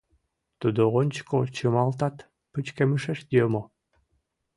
Тудо ончыко чымалтат, пычкемышеш йомо.